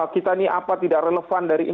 kita ini apa tidak relevan dari